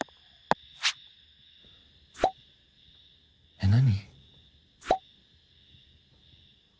えっ何。